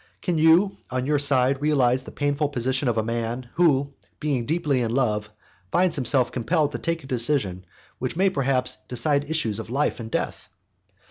Can you, on your side, realize the painful position of a man, who, being deeply in love, finds himself compelled to take a decision which may perhaps decide issues of life and death?